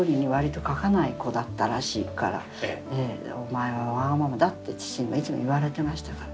「お前はわがままだ」って父にはいつも言われてましたから。